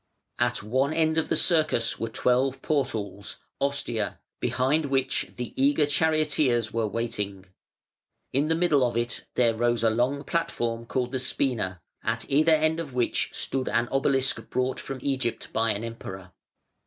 _ At one end of the Circus were twelve portals (ostia), behind which the eager charioteers were waiting. In the middle of it there rose the long platform called the spina, at either end of which stood an obelisk brought from Egypt by an Emperor.